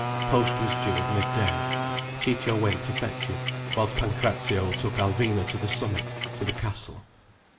Post was due at mid day. Ciccio went to fetch it, whilst Pancrazio took Alvina to the summit, to the castle.